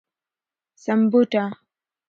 سمبوټه